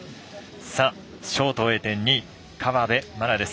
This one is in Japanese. ショートを終えて２位河辺愛菜です。